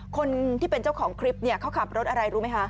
คนที่เป็นเจ้าของคลิปเนี่ยเขาขับรถอะไรรู้ไหมคะ